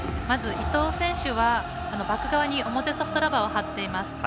まず伊藤選手はバック側に表ソフトラバーを張っています。